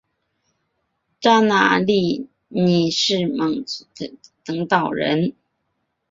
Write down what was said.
扎纳利尼是蒙泰菲奥里诺的领导人。